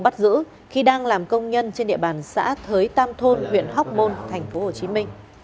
bắt giữ khi đang làm công nhân trên địa bàn xã thới tam thôn huyện hóc môn tp hcm